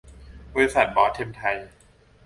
บริษัท ทอส เท็มไทย